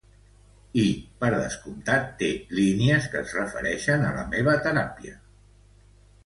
I, per descomptat, té línies que es refereixen a la meva teràpia.